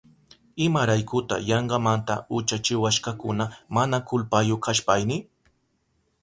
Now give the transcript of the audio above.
¿Imaraykuta yankamanta uchachiwashkakuna mana kulpayu kashpayni?